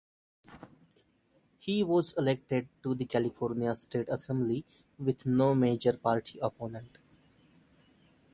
He was elected to the California State Assembly with no major party opponent.